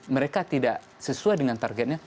mereka tidak sesuai dengan targetnya